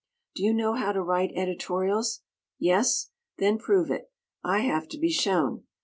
Do you know how to write editorials? Yes? Then prove it. I have to be shown.